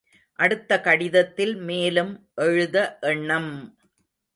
அடுத்த கடிதத்தில் மேலும் எழுத எண்ணம்!